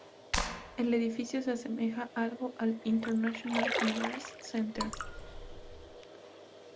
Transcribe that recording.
El edificio se asemeja algo al International Commerce Centre.